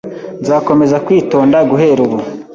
Nzakomeza kwitonda guhera ubu.